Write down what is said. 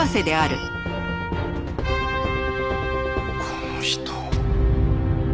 この人！